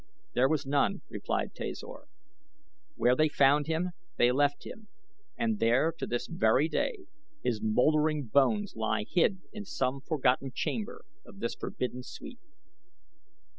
"There was none," replied Tasor. "Where they found him they left him and there to this very day his mouldering bones lie hid in some forgotten chamber of this forbidden suite."